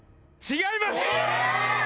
違います。